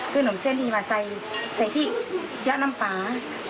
คือหนุ่มเส้นดีมาใส่ที่เยอะน้ำปลา